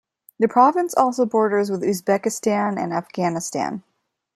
The province also borders with Uzbekistan and Afghanistan.